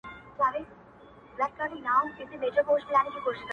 دی پاچا هغه فقیر دا څنګه کیږي؟،